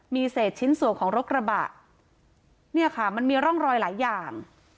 มีเศษชิ้นส่วนของรถกระบะเนี่ยค่ะมันมีร่องรอยหลายอย่าง